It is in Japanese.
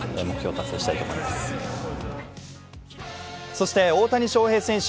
そして、大谷翔平選手